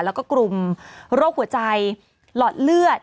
แล้วก็กลุ่มโรคหัวใจหลอดเลือด